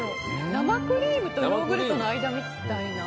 生クリームとヨーグルトの間みたいな。